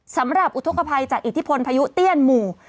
อุทธกภัยจากอิทธิพลพายุเตี้ยนหมู่